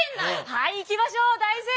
はいいきましょう大正解！